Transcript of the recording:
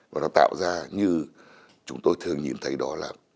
và nó tạo ra như chúng tôi thường nhìn thấy đó là